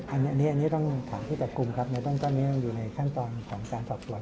อันนี้ต้องถามผู้จับกลุ่มครับในเบื้องต้นนี้อยู่ในขั้นตอนของการสอบสวน